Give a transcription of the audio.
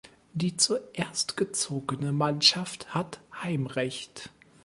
Die zuerst gezogene Mannschaft hat Heimrecht.